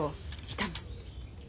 痛む？